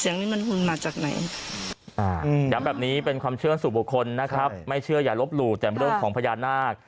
อย่างแบบนี้เป็นความเชื่อสู่บุคคลนะครับไม่เชื่ออย่ารบหลู่แต่ไม่ต้องของพญานาค